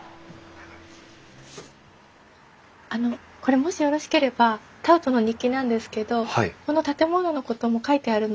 あのこれもしよろしければタウトの日記なんですけどこの建物のことも書いてあるので。